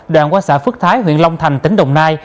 đoạn qua xã phước thái huyện long thành tỉnh đồng nai